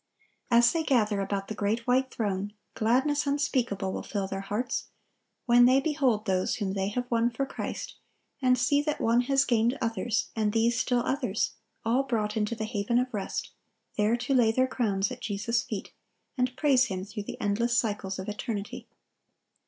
As they gather about the great white throne, gladness unspeakable will fill their hearts, when they behold those whom they have won for Christ, and see that one has gained others, and these still others, all brought into the haven of rest, there to lay their crowns at Jesus' feet, and praise Him through the endless cycles of eternity.